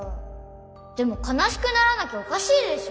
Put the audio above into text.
でもかなしくならなきゃおかしいでしょ。